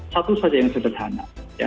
satu saja yang sederhana